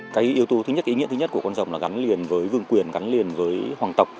cái yếu tố thứ nhất ý nghĩa thứ nhất của con rồng là gắn liền với vương quyền gắn liền với hoàng tộc